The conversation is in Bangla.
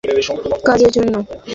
চালাকি কইরো না, এটা সরকারি কাজের জন্য।